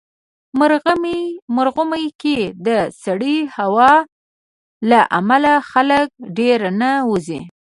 مرغومی کې د سړې هوا له امله خلک ډېر نه وځي.